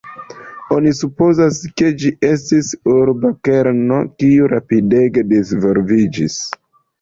Oni supozas, ke ĝi estis urba kerno kiu rapidege disvolviĝis.